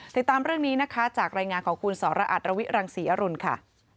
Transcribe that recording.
ติดตามเรื่องนี้นะคะจากรายงานของคุณสรอัตรวิรังศรีอรุณค่ะ